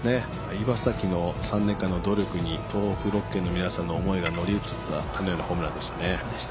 岩崎の３年間の努力に東北６県の皆さんの思いが乗り移ったかのようなホームランでしたね。